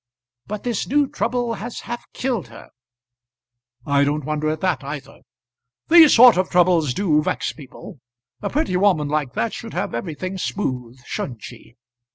"But this new trouble has half killed her." "I don't wonder at that either. These sort of troubles do vex people. A pretty woman like that should have everything smooth; shouldn't she?